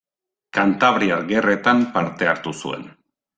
Kantabriar Gerretan parte hartu zuen.